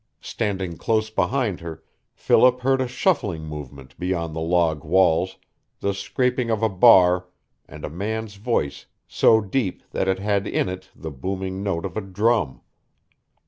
Standing close behind her, Philip heard a shuffling movement beyond the log walls, the scraping of a bar, and a man's voice so deep that it had in it the booming note of a drum.